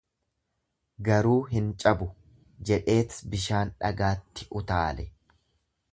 Garuu hin cabu, jedheet bishaan dhagaatti utaale.